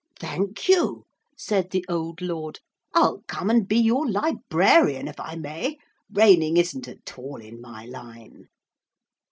'Thank you,' said the old lord, 'I'll come and be your librarian if I may. Reigning isn't at all in my line.'